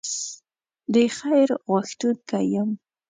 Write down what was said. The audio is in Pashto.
د خیر غوښتونکی یم.